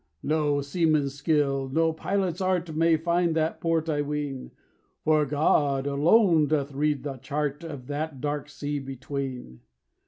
"No seaman's skill, no pilot's art, May find that port, I ween, For God alone doth read the chart Of that dark sea between.